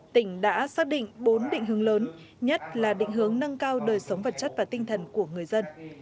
tỉnh đã xác định bốn định hướng lớn nhất là định hướng nâng cao đời sống vật chất và tinh thần của người dân